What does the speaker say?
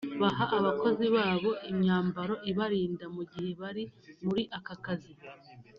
baha abakozi babo imyambaro ibarinda mu gihe bari muri aka kazi